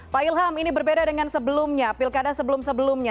pak ilham ini berbeda dengan sebelumnya pilkada sebelum sebelumnya